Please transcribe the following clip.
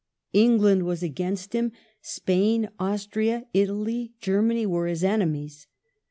England was against him ; Spain, Austria, Italy, Germany, were his enemies.